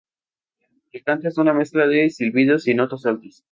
El canto es una mezcla de silbidos y notas altas.